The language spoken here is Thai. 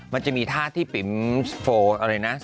มันจะมีท่าที่ปิ๋มโฟลอะไรนะ